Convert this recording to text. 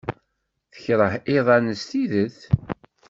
Tekṛeh iḍan s tidet.